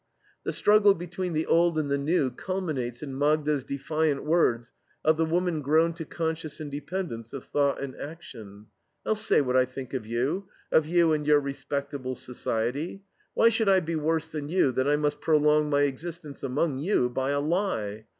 The struggle between the Old and the New culminates in Magda's defiant words of the woman grown to conscious independence of thought and action: "...I'll say what I think of you of you and your respectable society. Why should I be worse than you that I must prolong my existence among you by a lie!